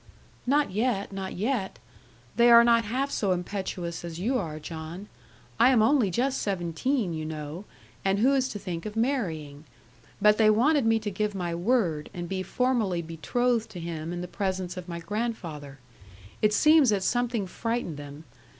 'Not yet, not yet. They are not half so impetuous as you are, John. I am only just seventeen, you know, and who is to think of marrying? But they wanted me to give my word, and be formally betrothed to him in the presence of my grandfather. It seems that something frightened them.